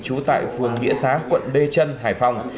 trú tại phường nghĩa xá quận đê trân hải phòng